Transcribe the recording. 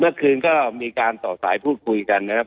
เมื่อคืนก็มีการต่อสายพูดคุยกันนะครับ